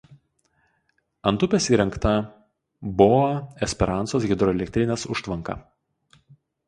Ant upės įrengta Boa Esperansos hidroelektrinės užtvanka.